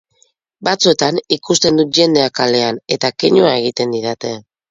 Batzuetan ikusten dut jendea kalean eta keinua egiten didate.